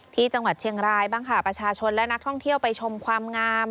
ที่จังหวัดเชียงรายบ้างค่ะประชาชนและนักท่องเที่ยวไปชมความงาม